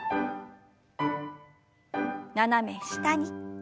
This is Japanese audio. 斜め下に。